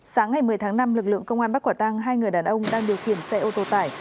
sáng ngày một mươi tháng năm lực lượng công an bắt quả tăng hai người đàn ông đang điều khiển xe ô tô tải